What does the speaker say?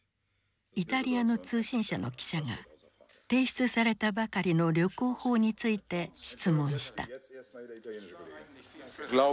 イタリアの通信社の記者が提出されたばかりの旅行法について質問した。